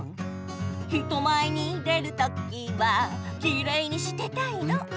「人前に出るときはきれいにしてたいの！」